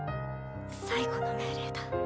最後の命令だ。